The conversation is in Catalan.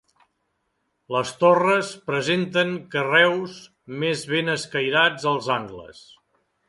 Les torres presenten carreus més ben escairats als angles.